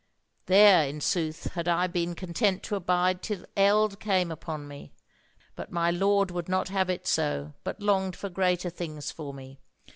"There in sooth had I been content to abide till eld came upon me, but my lord would not have it so, but longed for greater things for me.